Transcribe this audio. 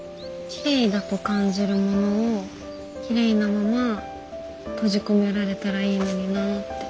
きれいだと感じるものをきれいなまま閉じ込められたらいいのになぁって。